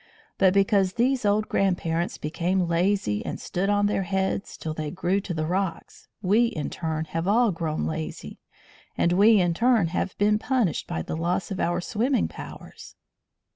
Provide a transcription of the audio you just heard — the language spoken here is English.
But because those old grandparents became lazy and stood on their heads till they grew to the rocks, we in turn have all grown lazy, and we in turn have been punished by the loss of our swimming powers.